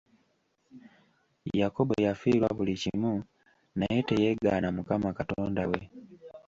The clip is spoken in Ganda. Yakobo yafiirwa buli kimu naye teyeegaana Mukama Katonda we.